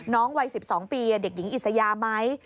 น้องวัย๑๒ปีเด็กหญิงอิสยามั้ย